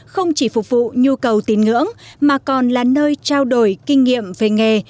không chỉ phục vụ nhu cầu tín ngưỡng mà còn là nơi trao đổi kinh nghiệm về nghề